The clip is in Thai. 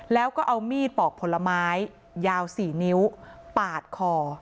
แล้วก็เอามีดปอกผลไม้ยาว๔นิ้วปาดคอ